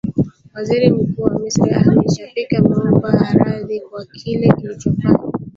waziri mkuu wa misri ahmed shafik ameomba radhi kwa kile kilichofanywa